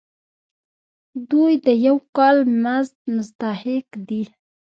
دوی د یو کال مزد مستحق دي.